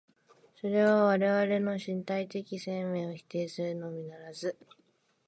それは我々の身体的生命を否定するのみならず、